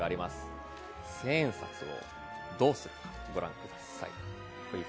１０００円札をどうするのか、ご覧ください。